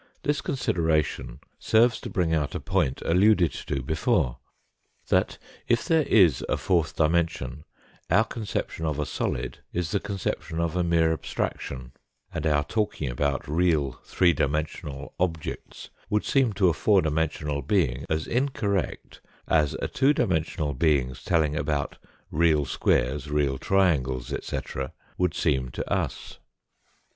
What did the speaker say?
This consideration serves to bring out a point alluded to before, that, if there is a fourth dimension, our conception of a solid is the conception of a mere abstraction, and our talking about real three dimensional objects would seem to a four dimensional being as incorrect as a two dimensional being's telling about real squares, real triangles, etc., would seem to us.